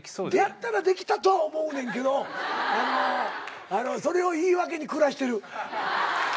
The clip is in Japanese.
やったらできたとは思うねんけどそれを言い訳に暮らしてる。